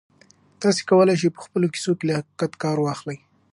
تاسي کولای شئ په خپلو کیسو کې له حقیقت کار واخلئ.